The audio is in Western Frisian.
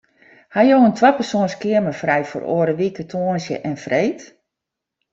Ha jo in twapersoans keamer frij foar oare wike tongersdei en freed?